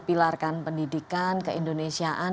pilar kan pendidikan keindonesiaan